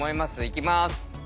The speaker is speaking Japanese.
いきます。